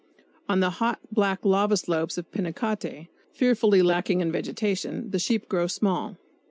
On the hot, black lava slopes of Pinacate, fearfully lacking in vegetation, the sheep grow small.